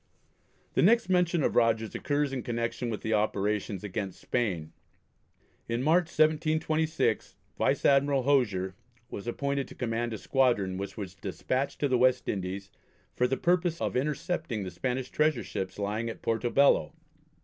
The next mention of Rogers occurs in connection with the operations against Spain. In March, 1726, Vice Admiral Hosier was appointed to command a squadron which was despatched to the West Indies for the purpose of intercepting the Spanish treasure ships lying at Porto Bello.